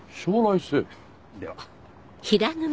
では。